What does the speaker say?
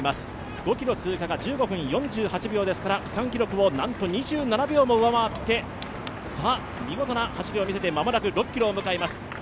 ５ｋｍ通過が１５分４８秒ですから、区間記録をなんと２７秒も上回って、見事な走りを見せてまもなく６ｋｍを迎えます。